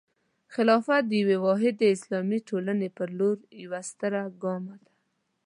خلافت د یوې واحدې اسلامي ټولنې په لور یوه ستره ګام دی.